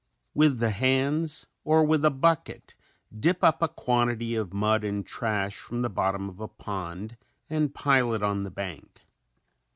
With the hands or with a bucket dip up a quantity of mud and trash from the bottom of a pond and pile it on the bank.